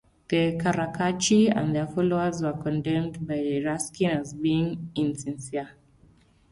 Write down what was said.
The Carracci and their followers were condemned by Ruskin as being "insincere".